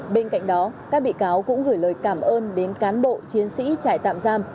bên cạnh đó các bị cáo cũng gửi lời cảm ơn đến cán bộ chiến sĩ trại tạm giam